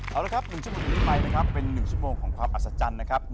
เอาละครับ๑ชั่วโมงจากนี้ไปนะครับเป็น๑ชั่วโมงของความอัศจรรย์นะครับ